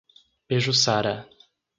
Pejuçara